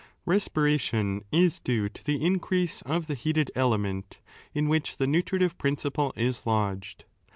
Bespiration is due to the increase of the heated element, in which the nutritive principle is lodged.